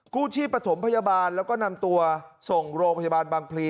กู้ชีพประถมพยาบาลแล้วก็นำตัวส่งโรงพยาบาลบางพลี